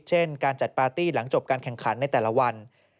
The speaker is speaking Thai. เช่นการจัดปาร์ตี้หลังจบการแข่งขันในแต่ละวัน